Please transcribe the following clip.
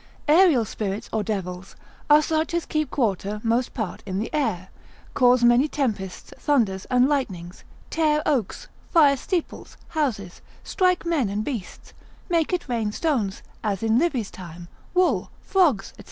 Aerial spirits or devils, are such as keep quarter most part in the air, cause many tempests, thunder, and lightnings, tear oaks, fire steeples, houses, strike men and beasts, make it rain stones, as in Livy's time, wool, frogs, &c.